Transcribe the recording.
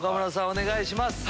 お願いします。